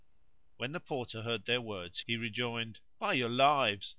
When the Porter heard their words he rejoined, "By your lives!